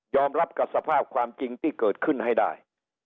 รับกับสภาพความจริงที่เกิดขึ้นให้ได้